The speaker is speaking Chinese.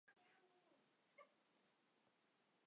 该湖的沉积物主要为芒硝和石盐。